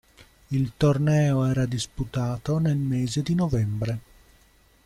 Il torneo era disputato nel mese di novembre